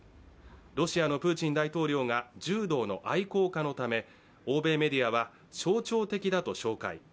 ロシアのプーチン大統領が柔道の愛好家のため欧米メディアは象徴的だと紹介。